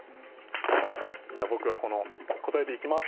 じゃあ僕はこの答えでいきます。